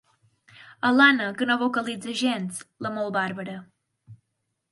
Alana que no vocalitza gens, la molt bàrbara.